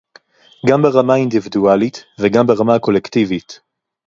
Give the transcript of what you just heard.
גם ברמה האינדבידואלית וגם ברמה הקולקטיבית